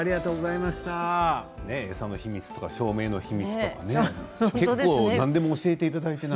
餌の秘密とか照明の秘密とか何でも教えていただいて。